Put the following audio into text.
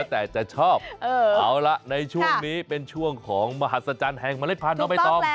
แต่จะชอบเอาละในช่วงนี้เป็นช่วงของมหัศจรรย์แห่งเมล็ดพันธน้องใบตอง